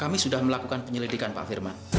kami sudah melakukan penyelidikan pak firman